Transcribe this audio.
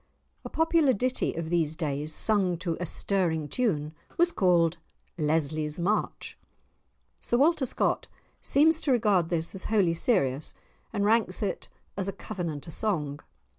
A popular ditty of these days, sung to a stirring tune, was called "Lesly's March." Sir Walter Scott seems to regard this as wholly serious, and ranks it as a Covenanter song.